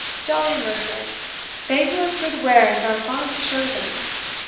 jolly mercer, they who have good wares are fond to show them!